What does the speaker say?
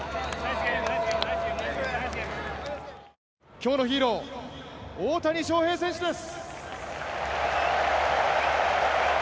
今日のヒーロー、大谷翔平選手です。